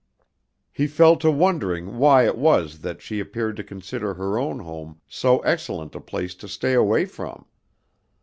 He fell to wondering why it was that she appeared to consider her own home so excellent a place to stay away from.